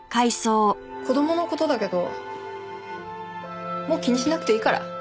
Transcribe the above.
子供の事だけどもう気にしなくていいから。